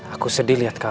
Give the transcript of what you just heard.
aku sedih liat ini